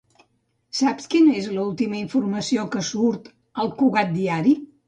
Saps quina és l'última informació que surt al "Cugat Diari"?